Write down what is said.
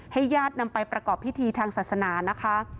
ญาตินำไปประกอบพิธีทางศาสนานะคะ